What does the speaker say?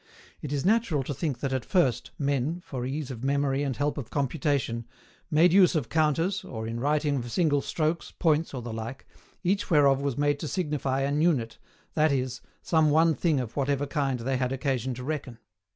It is natural to think that at first, men, for ease of memory and help of computation, made use of counters, or in writing of single strokes, points, or the like, each whereof was made to signify an unit, i.e., some one thing of whatever kind they had occasion to reckon.